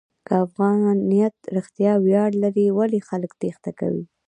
که افغانیت رښتیا ویاړ لري، ولې خلک تېښته کوي؟